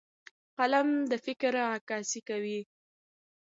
قلم د فکر عکاسي کوي